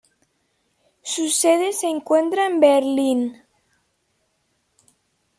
Su sede se encuentra en Berlín.